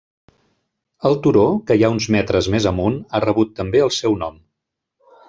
El turó que hi ha uns metres més amunt ha rebut també el seu nom.